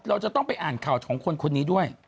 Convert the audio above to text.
เราจะต้องไปอ่านข่าวของคนคนนี้ด้วย